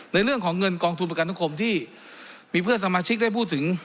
ในเรื่องของเงินกองทุนประกันสังคมที่มีเพื่อนสมาชิกได้พูดถึง